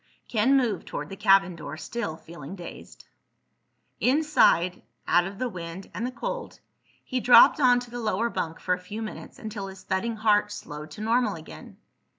Ken moved toward the cabin door, still feeling dazed. Inside, out of the wind and the cold, he dropped onto the lower bunk for a few minutes until his thudding heart slowed to normal again.